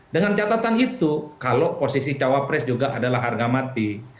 dengan catatan itu kalau posisi cawapres juga adalah harga mati